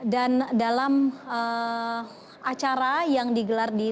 dan dalam acara yang digelar di